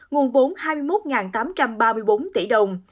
nguồn vốn hai mươi một tám trăm ba mươi bốn tỷ đồng